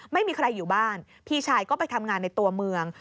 ไม่มีใครอยู่บ้านพี่ชายก็ไปทำงานในตัวเมือง